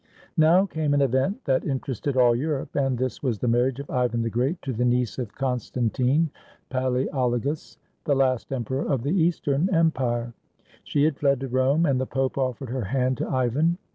Now came an event that interested all Europe, and this was the marriage of Ivan the Great to the niece of Con stantine Palaeologos, the last emperor of the Eastern Empire. She had fled to Rome, and the Pope offered her hand to Ivan.